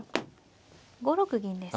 ５六銀です。